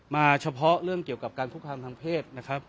มาเฉพาะเรื่องเกี่ยวกับการทุกความทางเพศ